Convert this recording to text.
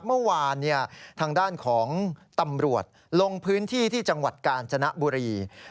เมื่อวานทางด้านของตำรวจลงพื้นที่ที่จังหวัดกาญจนบุรี